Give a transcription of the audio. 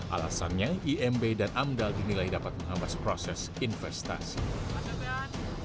alasannya imb dan amdal dinilai dapat menghambas proses investasi